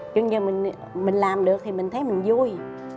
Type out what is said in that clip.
nhưng mà mình làm được thì mình thấy mình vui